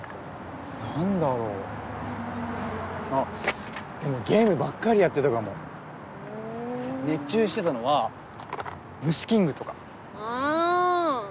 何だろうあっでもゲームばっかりやってたかもふん熱中してたのは「ムシキング」とかあ